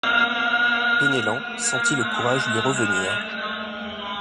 Penellan sentit le courage lui revenir.